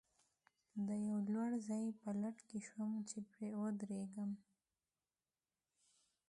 د یوه لوړ ځای په لټه کې شوم، چې پرې ودرېږم.